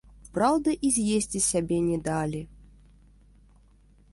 Праўда, і з'есці сябе не далі.